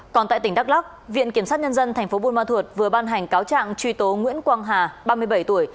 còn tại tỉnh đắk lắc viện kiểm sát nhân dân tp buôn ma thuột vừa ban hành cáo trạng truy tố nguyễn quang hà ba mươi bảy tuổi